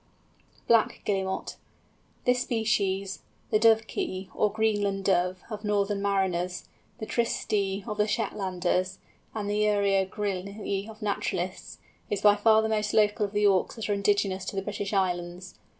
BLACK GUILLEMOT. This species, the Dovekey, or Greenland Dove, of northern mariners, the Tysty of the Shetlanders, and the Uria grylle of naturalists, is by far the most local of the Auks that are indigenous to the British Islands.